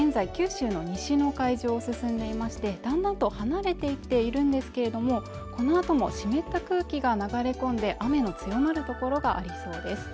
台風５号は現在九州の西の海上を進んでいましてだんだんと離れていっているんですけれどもこのあとも湿った空気が流れ込んで雨の強まる所がありそうです